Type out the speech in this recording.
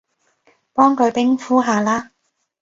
幫佢冰敷下啦